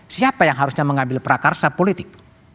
siapa yang harusnya mengambil perakar sepolitik